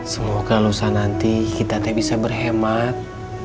semoga lusa nanti kita bisa berhemat